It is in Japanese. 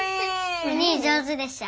おにぃ上手でしょ？